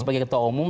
sebagai ketua umum